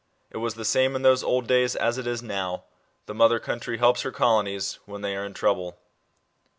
It was the same in those old days as it is now ; the mother country helps her colonies, when they are in trouble.